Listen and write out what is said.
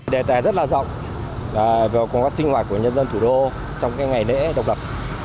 đề tài rất là rộng có các sinh hoạt của nhân dân thủ đô trong ngày lễ độc lập